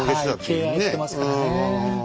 はい敬愛してますからね。